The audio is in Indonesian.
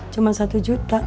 cuma satu juta